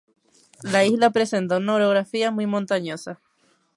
La isla presenta una orografía muy montañosa.